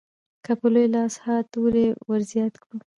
که په لوی لاس ها توری ورزیات کړو.